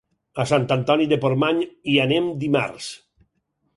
A Sant Antoni de Portmany hi anem dimarts.